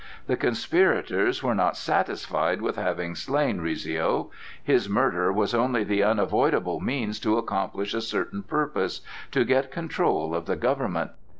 The conspirators were not satisfied with having slain Rizzio; his murder was only the unavoidable means to accomplish a certain purpose,—to get control of the government.